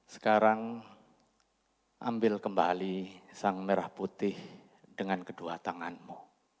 sekarang ambil kembali sang merah putih dengan kedua tanganmu